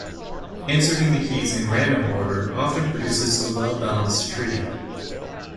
Inserting the keys in random order often produces a well-balanced tree.